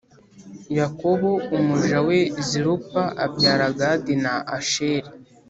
Yakobo umuja we Zilupa abyara Gadi na Asheri